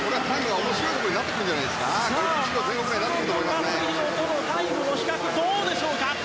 松元克央とのタイムの比較はどうでしょうか。